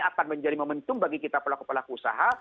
akan menjadi momentum bagi kita pelaku pelaku usaha